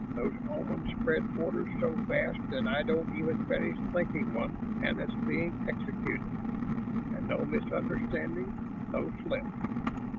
Those Omans spread orders so fast that I don't even finish thinking one and it's being executed. And no misunderstandings, no slips.